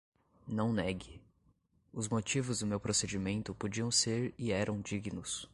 Não negue; os motivos do meu procedimento podiam ser e eram dignos;